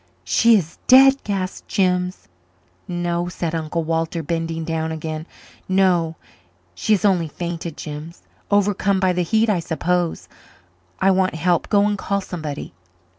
"She is dead?" gasped Jims. "No," said Uncle Walter, bending down again "no, she has only fainted, Jims overcome by the heat, I suppose. I want help. Go and call somebody."